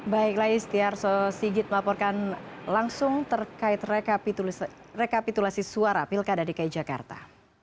baiklah istiarso sigit melaporkan langsung terkait rekapitulasi suara pilkada dki jakarta